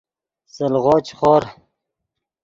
سلغو چے خور